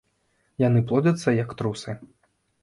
Яны плодзяцца як трусы.